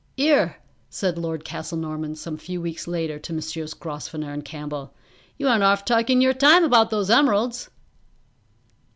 "'Ere," said Lord Castlenorman some few weeks later to Messrs. Grosvenor and Campbell, "you aren't 'arf taking your time about those emeralds."